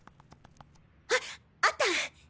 ああった！